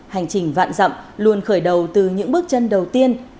hành trình vạn dặm luôn khởi đầu từ những bước chân đầu tiên